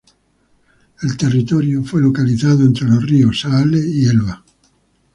El territorio fue localizado entre los ríos Saale y Elba.